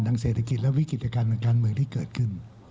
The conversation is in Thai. เศรษฐกิจและวิกฤติการทางการเมืองที่เกิดขึ้น